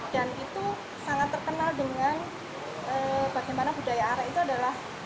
dan itu sangat terkenal dengan bagaimana budaya are itu adalah